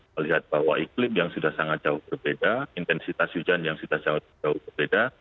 melihat bahwa iklim yang sudah sangat jauh berbeda intensitas hujan yang sudah jauh berbeda